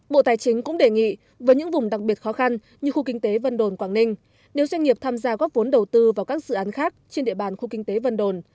bộ tài chính cũng đề nghị với những vùng đặc biệt khó khăn như khu kinh tế vân đồn quảng ninh nếu doanh nghiệp tham gia góp vốn đầu tư vào các dự án khác trên địa bàn khu kinh tế vân đồn